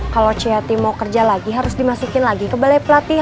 kalau si yati mau kerja lagi harus dimasukin lagi ke balai pelatihan